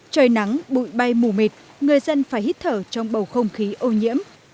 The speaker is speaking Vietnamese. trời nắng bụi bay mù mịt người dân phải hít thở trong bầu không khí ô nhiễm